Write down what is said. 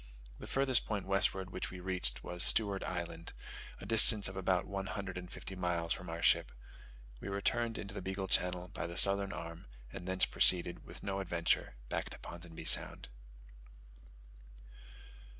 The farthest point westward which we reached was Stewart Island, a distance of about one hundred and fifty miles from our ship. We returned into the Beagle Channel by the southern arm, and thence proceeded, with no adventure, back to Ponsonby Sound.